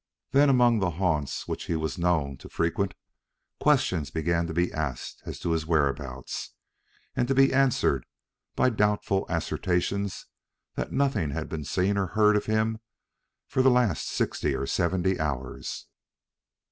Then, among the haunts which he was known to frequent, questions began to be asked as to his whereabouts, and to be answered by doubtful assertions that nothing had been seen or heard of him for the last sixty or seventy hours.